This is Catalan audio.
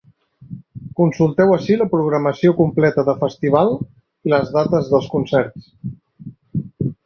Consulteu ací la programació completa de festival i les dates dels concerts.